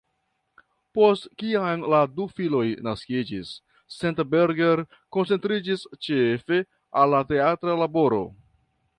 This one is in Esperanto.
Post kiam la du filoj naskiĝis, Senta Berger koncentriĝis ĉefe al la teatra laboro.